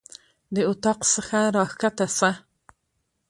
د اطاق څخه راکښته سه.